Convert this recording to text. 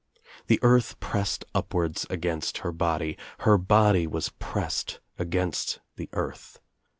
The earth pressed upwards against her body. Her body was pressed against the earth.